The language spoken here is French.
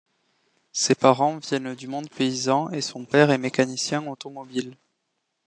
Ses parents viennent du monde paysan et son père est mécanicien automobile.